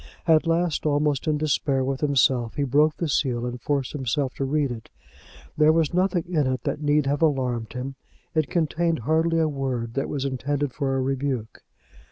At last, almost in despair with himself, he broke the seal and forced himself to read it. There was nothing in it that need have alarmed him. It contained hardly a word that was intended for a rebuke.